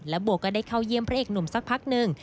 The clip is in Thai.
บัวก็ได้เข้าเยี่ยมพระเอกหนุ่มสักพักหนึ่ง